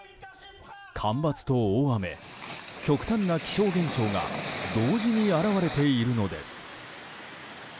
干ばつと大雨、極端な気象現象が同時に現れているのです。